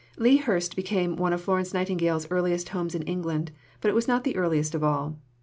Lea Hurst became one of Florence Nightingale's earliest homes in England, but it was not the earliest of all.